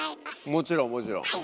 もちろんもちろん。